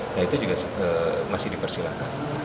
nah itu juga masih dipersilakan